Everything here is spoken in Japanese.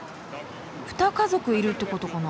二家族いるってことかな。